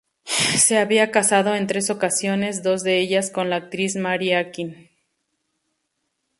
Se había casado en tres ocasiones, dos de ellas con la actriz Mary Akin.